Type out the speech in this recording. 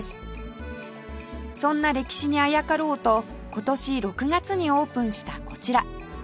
そんな歴史にあやかろうと今年６月にオープンしたこちら